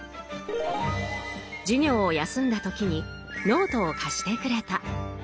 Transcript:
授業を休んだ時にノートを貸してくれた。